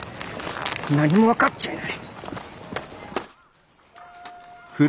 何も分かっちゃいない。